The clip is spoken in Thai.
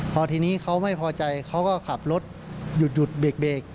พอทีนี้เขาไม่พอใจเขาก็ขับรถหยุดเบรก